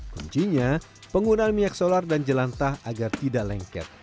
kuncinya penggunaan minyak solar dan jelantah agar tidak lengket